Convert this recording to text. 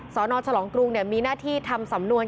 สนฉลองกรุงมีหน้าที่ทำสำนวน